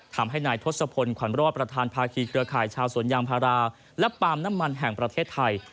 ทำให้นายทศพลขวัญรอดประธานภาคีเครือข่ายชาวสวนยางพาราและปาล์มน้ำมันแห่งประเทศไทย